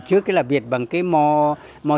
trước là biệt bằng cái mò